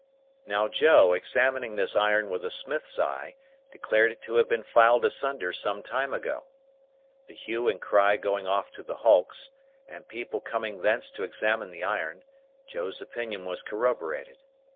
Now, Joe, examining this iron with a smith's eye, declared it to have been filed asunder some time ago. The hue and cry going off to the Hulks, and people coming thence to examine the iron, Joe's opinion was corroborated.